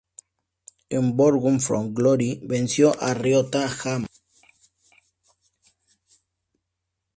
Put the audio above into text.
En Bound for Glory, venció a Ryota Hama.